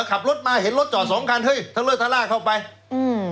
ขับรถมาเห็นรถจอดสองคันเฮ้ยทะเลอร์ทะล่าเข้าไปอืม